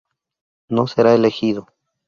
No será elegido.